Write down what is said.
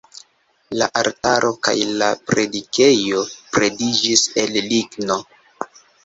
La altaro kaj la predikejo pretiĝis el ligno.